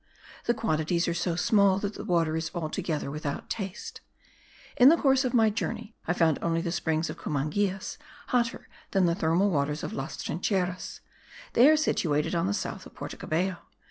The quantities are so small that the water is altogether without taste. In the course of my journey I found only the springs of Cumangillas hotter than the thermal waters of Las Trincheras: they are situated on the south of Porto Cabello.